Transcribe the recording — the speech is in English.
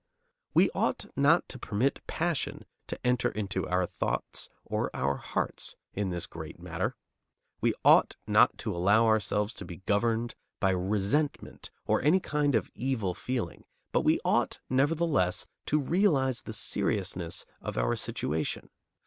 We ought not to permit passion to enter into our thoughts or our hearts in this great matter; we ought not to allow ourselves to be governed by resentment or any kind of evil feeling, but we ought, nevertheless, to realize the seriousness of our situation.